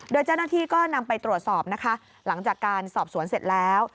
โดยเจ้าหน้าที่ก็นำไปตรวจสอบนะคะหลังจากการสอบสวนเสร็จแล้ว